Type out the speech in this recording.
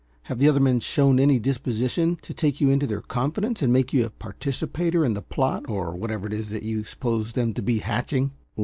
Have the other men shown any disposition to take you into their confidence and make you a participator in the plot or whatever it is that you suppose them to be hatching?"